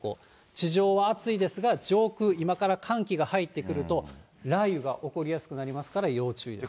地上は暑いですが、上空、今から寒気が入ってくると、雷雨が起こりやすくなりますから、要注意です。